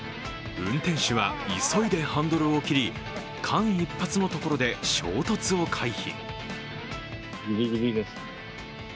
運転手は急いでハンドルを切り間一髪のところで衝突を回避。